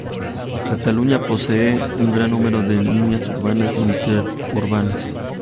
Cataluña posee un gran número de líneas urbanas e interurbanas.